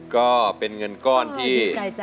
ก็เป็นเงินก้อนที่